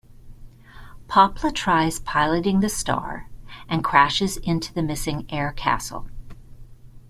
Popla tries piloting the star - and crashes into the missing air castle.